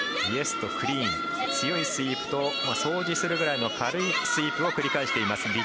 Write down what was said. イエスとクリーン、強いスイープと掃除するぐらいの軽いスイープを繰り返しています。